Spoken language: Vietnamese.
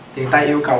thì người ta yêu cầu